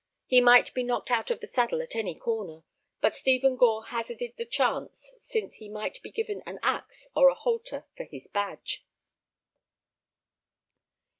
He might be knocked out of the saddle at any corner, but Stephen Gore hazarded the chance, since he might be given an axe or a halter for his badge.